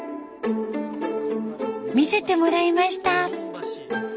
見せてもらいました。